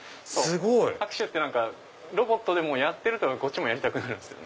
拍手ってロボットでもやってるとやりたくなるんです。